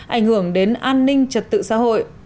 ảnh hưởng đến an ninh trật tự xã hội